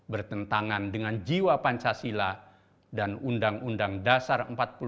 bertentangan dengan jiwa pancasila dan undang undang dasar seribu sembilan ratus empat puluh lima